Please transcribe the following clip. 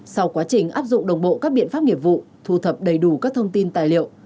sau quá trình áp dụng đồng bộ các biện pháp nghiệp vụ thu thập đầy đủ các thông tin tài liệu